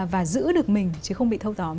và giữ được mình chứ không bị thâu tóm